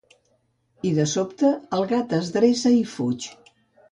I de sobte, el gat es dreça i fuig.